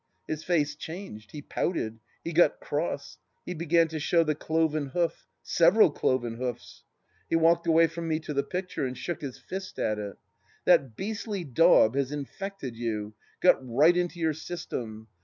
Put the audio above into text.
His face changed, he pouted, he got cross, he began to show the cloven hoof — several cloven hoofs. He walked away from me to the picture and shook his fist at it. ... "That beastly daub has infected you — got right into your system.